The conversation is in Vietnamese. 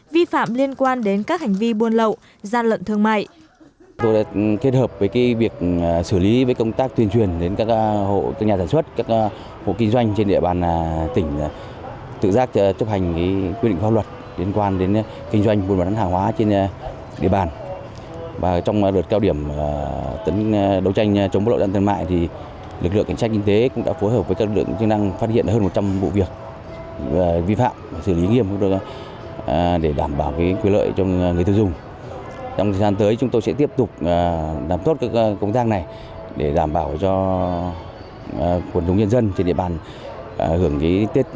vi phạm liên quan đến các hành vi buôn lậu gian lận thương mại